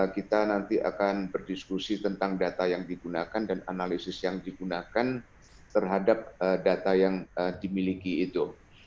kita nanti akan berdiskusi tentang data yang digunakan dan analisis yang digunakan terhadap data yang dimiliki itu